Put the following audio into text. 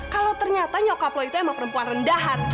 kalau ternyata nyokap lo itu emang perempuan rendahan